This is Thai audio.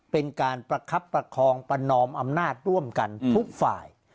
เป็นการประคับประคองประนอมอำนาจร่วมกันทุกฝ่าย